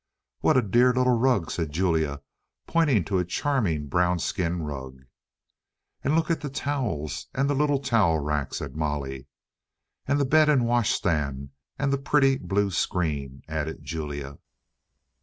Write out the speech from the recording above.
"What a dear little rug!" said Julia, pointing to a charming brown skin rug. "And look at the towels and the little towel rack," said Molly. "And the bed and washstand and the pretty blue screen," added Julia.